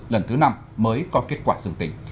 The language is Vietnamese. lần thứ năm mới có kết quả dường tình